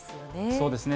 そうですね。